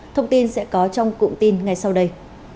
thông tin sẽ có trong cụm tin ngay sau đây